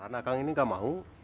karena akang ini gak mau